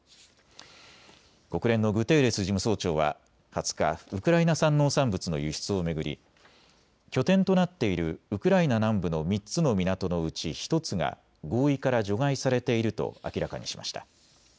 国連のグテーレス事務総長は２０日、ウクライナ産農産物の輸出を巡り拠点となっているウクライナ南部の３つの港のうち１つが合意から除外されていると明らかにしました。